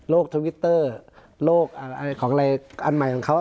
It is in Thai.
ทวิตเตอร์โลกของอะไรอันใหม่ของเขา